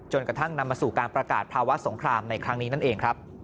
กระทั่งนำมาสู่การประกาศภาวะสงครามในครั้งนี้นั่นเองครับ